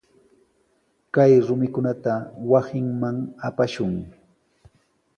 Kay rumikunata wasinman apashun.